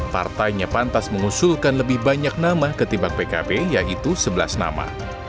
partainya pantas mengusulkan lebih banyak nama ketimbang pkb yaitu sebelas nama